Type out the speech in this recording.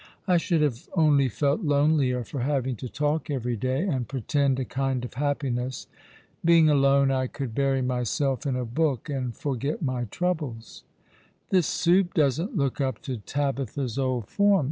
I should have only felt lonelier for having to talk every day, and pretend a kind of happiness. Being alone, I could bury myself in a book, and forget my troubles." "This soup doesn't look up to Tabitha's old form.